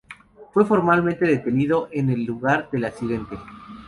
Fue formalmente detenido en el lugar del accidente.